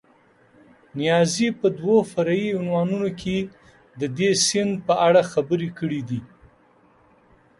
نیازي په دوو فرعي عنوانونو کې د دې سیند په اړه خبرې کړې دي.